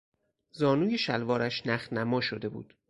زانوی شلوارش نخنما شده بود.